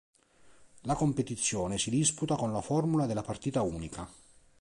La competizione si disputa con la formula della partita unica.